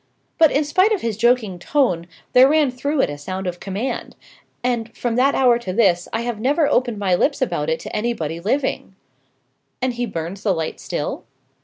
But, in spite of his joking tone, there ran through it a sound of command; and, from that hour to this, I have never opened my lips about it to anybody living." "And he burns the light still?"